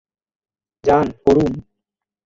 যান, করুন।